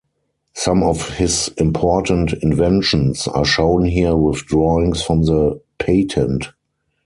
Some of his important inventions are shown here with drawings from the patent.